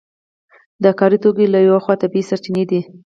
د کار توکي له یوې خوا طبیعي سرچینې دي.